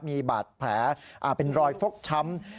มีบาดแผลเป็นรอยฟกช้ำ